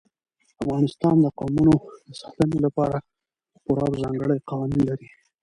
افغانستان د قومونه د ساتنې لپاره پوره او ځانګړي قوانین لري.